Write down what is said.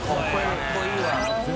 かっこいいわ。